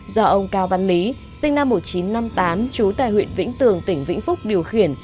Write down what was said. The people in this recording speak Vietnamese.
do ông cao văn lý sinh năm một nghìn chín trăm năm mươi tám trú tại huyện vĩnh tường tỉnh vĩnh phúc điều khiển